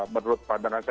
menurut pandangan saya